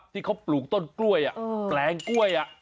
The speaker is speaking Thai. ที่เขาปลูกต้นกล้วยแปลงกล้วย